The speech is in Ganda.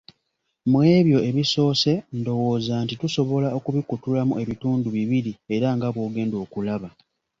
Mu ebyo ebisoose, ndowooza nti tusobola okubikutulamu ebitundu bibiri era nga bw'ogenda okulaba.